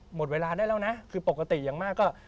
หมดเวลาได้แล้วนะคือปกติอย่างมากก็